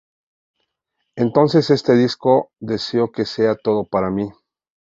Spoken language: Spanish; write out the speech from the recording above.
Entonces este disco deseo que sea todo "Para Mí".